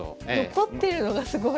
取ってるのがすごい。